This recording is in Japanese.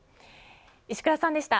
石倉さんでした。